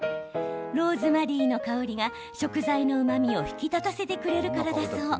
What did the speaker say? ローズマリーの香りが食材のうまみを引き立たせてくれるからだそう。